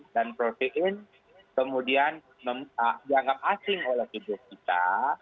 dan protein kemudian dianggap asing oleh tubuh kita